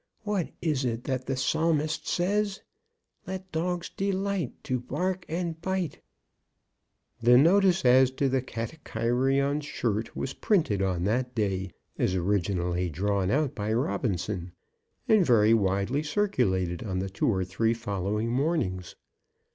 What is it that the Psalmist says, 'Let dogs delight, to bark and bite .'" The notice as to the Katakairion shirt was printed on that day, as originally drawn out by Robinson, and very widely circulated on the two or three following mornings.